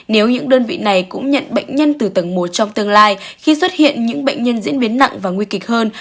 nếu những đơn vị này cũng nhận bệnh nhân từ tầng một trong tương lai khi xuất hiện những bệnh nhân diễn biến nặng và nguy kịch hơn